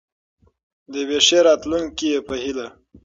د یوې ښې راتلونکې په هیله.